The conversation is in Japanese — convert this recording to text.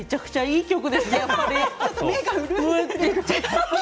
いい曲ですね。